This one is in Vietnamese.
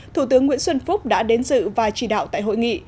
thủ tướng nguyễn xuân phúc đã đến dự và chỉ đạo tại hội nghị